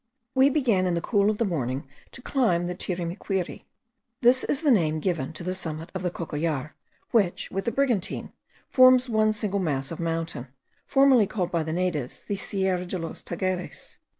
We began in the cool of the morning to climb the Turimiquiri. This is the name given to the summit of the Cocollar, which, with the Brigantine, forms one single mass of mountain, formerly called by the natives the Sierra de los Tageres.